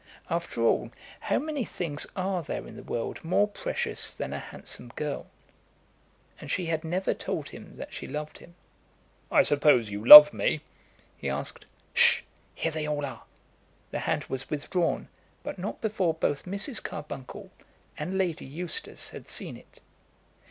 After all, how many things are there in the world more precious than a handsome girl. And she had never told him that she loved him. "I suppose you love me?" he asked. "H'sh! here they all are." The hand was withdrawn, but not before both Mrs. Carbuncle and Lady Eustace had seen it.